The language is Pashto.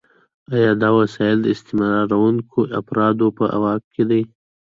آیا دا وسایل د استثمارونکو افرادو په واک کې دي؟